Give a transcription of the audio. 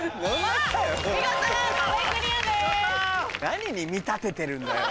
何に見立ててるんだよ。